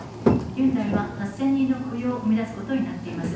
ヒュンダイは８０００人の雇用を生み出すことになっています。